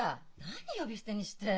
何呼び捨てにして。